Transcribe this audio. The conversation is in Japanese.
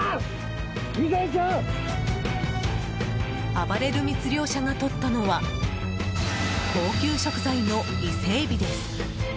暴れる密漁者がとったのは高級食材の伊勢エビです。